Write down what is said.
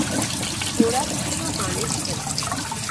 ঘোড়াপ্রিয় মানুষ এরা।